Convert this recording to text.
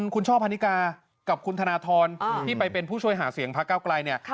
คุณช่อบฮานิกากับคุณธนทรที่ไปเป็นผู้ช่วยหาเสียงภาคก้าวกล่าย